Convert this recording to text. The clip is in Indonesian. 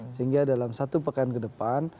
sehingga dalam satu pekan ke depan